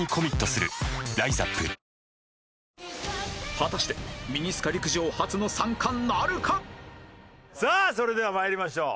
果たしてさあそれではまいりましょう。